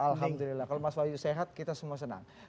alhamdulillah kalau mas wahyu sehat kita semua senang